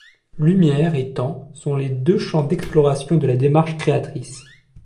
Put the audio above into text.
Lumière et temps sont les deux champs d’exploration de la démarche créatrice.